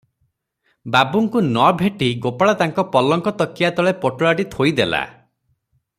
ବାବୁଙ୍କୁ ନ ଭେଟି ଗୋପାଳ ତାଙ୍କ ପଲଙ୍କ ତକିଆ ତଳେ ପୋଟଳାଟି ଥୋଇ ଦେଲା ।